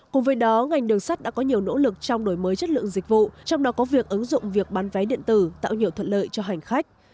cùng với đó ngành đường sắt đã có nhiều nỗ lực trong đổi mới chất lượng dịch vụ trong đó có việc ứng dụng việc bán vé điện tử tạo nhiều thuận lợi cho hành khách